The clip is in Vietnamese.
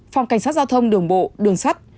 phòng cảnh sát giao thông đường bộ đường sắt